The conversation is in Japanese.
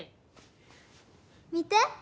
見て。